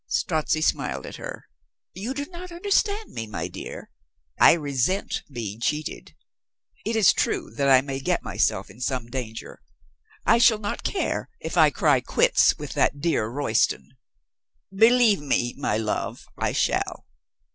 Strozzi smiled at her. "You do not understand me, my dear. I resent being cheated. It is true that I may get myself in some danger. I shall not care, if I cry quits with that dear Royston. Believe me, my love, I shall.